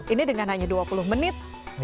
ini dengan hanya dua puluh menit